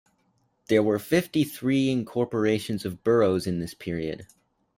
There were fifty-three incorporations of boroughs in this period.